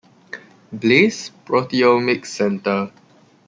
Blais Proteomics Center.